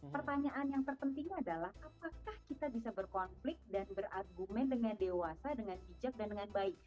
pertanyaan yang terpenting adalah apakah kita bisa berkonflik dan berargumen dengan dewasa dengan bijak dan dengan baik